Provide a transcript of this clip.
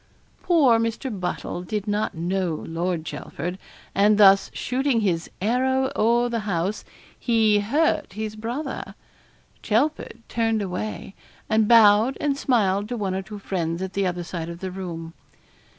Poor Mr. Buttle did not know Lord Chelford, and thus shooting his 'arrow o'er the house,' he 'hurt his brother.' Chelford turned away, and bowed and smiled to one or two friends at the other side of the room.